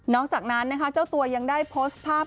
นอกจากนั้นเจ้าตัวยังได้โพสต์ภาพ